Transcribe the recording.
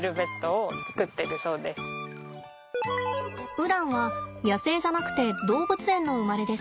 ウランは野生じゃなくて動物園の生まれです。